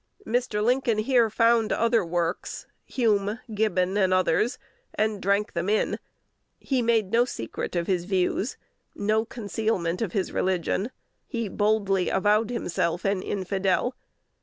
Mr. Lincoln here found other works, Hume, Gibbon, and others, and drank them in: he made no secret of his views, no concealment of his religion. He boldly avowed himself an infidel.